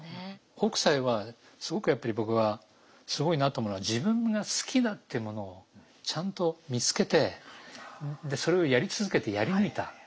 北斎はすごくやっぱり僕はすごいなと思うのは自分が好きだってものをちゃんと見つけてでそれをやり続けてやり抜いた。